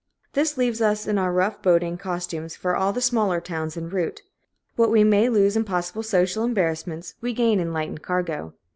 This leaves us in our rough boating costumes for all the smaller towns en route. What we may lose in possible social embarrassments, we gain in lightened cargo.